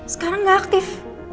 sekarang gak aktif